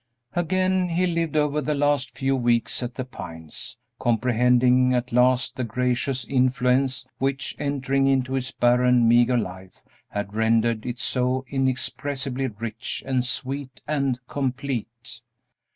Again he lived over the last few weeks at The Pines, comprehending at last the gracious influence which, entering into his barren, meagre life, had rendered it so inexpressibly rich and sweet and complete.